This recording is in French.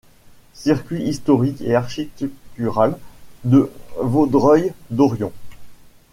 Circuit historique et architectural de Vaudreuil-Dorion.